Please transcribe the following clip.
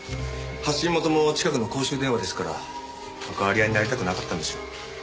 発信元も近くの公衆電話ですから関わり合いになりたくなかったんでしょう。